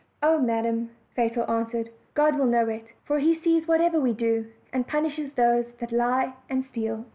"Oh, madam," Fatal answered, "God will know it; for He sees whatever we do, and punishes those that lie and steal."